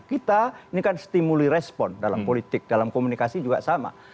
kita ini kan stimuli respon dalam politik dalam komunikasi juga sama